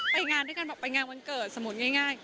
ไปงานด้วยกันบอกไปงานวันเกิดสมมุติง่าย